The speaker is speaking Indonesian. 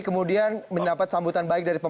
kemudian mendapat sambutan baik dari pemerintah